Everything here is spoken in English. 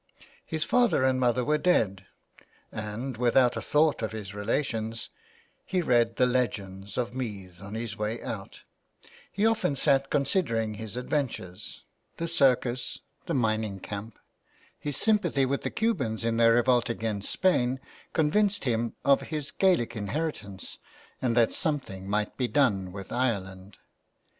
'^ His father and mother were dead, and without a thought of his relations, he read the legends of Meath on his way out; he often sat considering his adven tures : the circus, the mining camp, his sympathy with the Cubans in their revolt against Spain, convinced him of his Gaelic inheritance and that something might be done with Ireland.